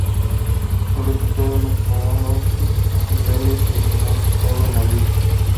Los resultados mejoraron y Velež terminó octavo en la liga.